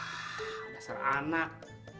ah dasar anak